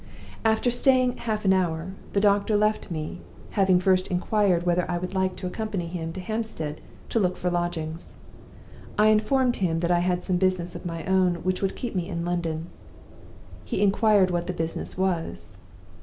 "After staying half an hour, the doctor left me, having first inquired whether I would like to accompany him to Hampstead to look for lodgings. I informed him that I had some business of my own which would keep me in London. He inquired what the business was.